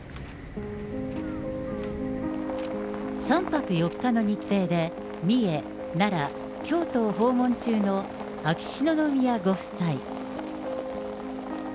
３泊４日の日程で三重、奈良、京都を訪問中の秋篠宮ご夫妻。